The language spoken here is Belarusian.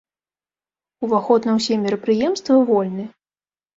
Уваход на ўсе мерапрыемствы вольны.